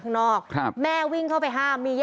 ก็ยังไง